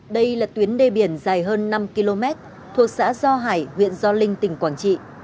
đây là tuyến đê biển dài hơn năm km thuộc xã do hải huyện do linh tỉnh quảng trị